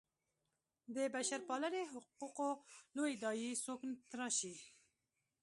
د بشرپالنې حقوقو لویې داعیې څوک تراشي.